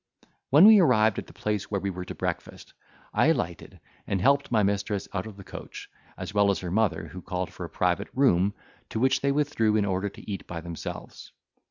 When we arrived at the place where we were to breakfast, I alighted, and helped my mistress out of the coach, as well as her mother who called for a private room to which they withdrew in order to eat by themselves.